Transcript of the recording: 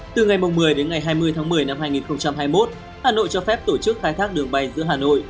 từ ngày một mươi đến ngày hai mươi tháng một mươi năm hai nghìn hai mươi một hà nội cho phép tổ chức khai thác đường bay giữa hà nội